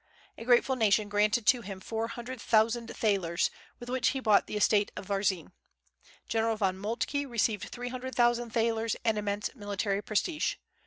A grateful nation granted to him four hundred thousand thalers, with which he bought the estate of Varzin. General von Moltke received three hundred thousand thalers and immense military prestige.